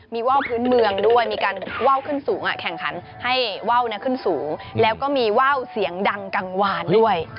มีว่าวพื้นเมืองด้วยมีการว่าวขึ้นสูงแข่งขันให้ว่าวขึ้นสูงแล้วก็มีว่าวเสียงดังกลางวานด้วย